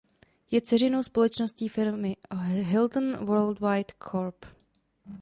Je dceřinou společností firmy Hilton Worldwide Corp.